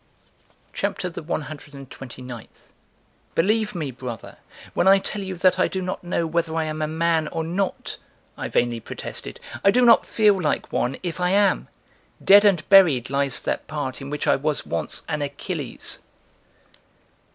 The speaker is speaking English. CHAPTER THE ONE HUNDRED AND TWENTY NINTH. "Believe me, 'brother,' when I tell you that I do not know whether I am a man or not," (I vainly protested;) "I do not feel like one, if I am! Dead and buried lies that part in which I was once an Achilles!"